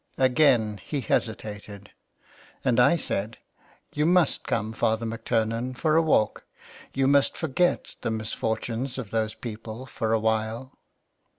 Again he hesitated, and I said :" You must come, Father McTurnan, for a walk. You must forget the misfortunes of those people for a while."